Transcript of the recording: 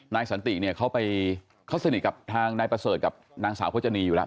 สันติเนี่ยเขาไปเขาสนิทกับทางนายประเสริฐกับนางสาวพจนีอยู่แล้ว